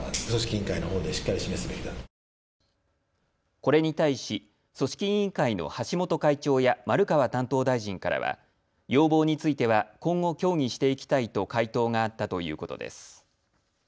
これに対し組織委員会の橋本会長や丸川担当大臣からは要望については今後、協議していきたいと回答があったということです。